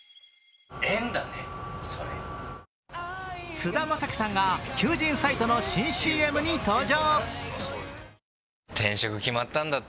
菅田将暉さんが求人サイトの新ＣＭに登場。